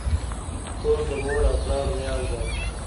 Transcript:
خور د مور او پلار ویاړ ده.